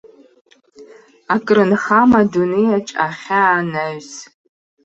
Акры нхама адунеиаҿ ахьаа анаҩс?!